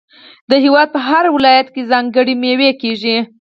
د هیواد په هر ولایت کې ځانګړې میوې کیږي.